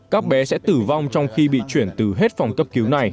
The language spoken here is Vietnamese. các bé sẽ tử vong trong khi bị chuyển từ hết phòng cấp cứu này